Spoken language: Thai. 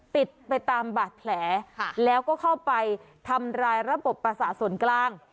ไปตามบาดแผลแล้วก็เข้าไปทำร้ายระบบประสาทส่วนกลาง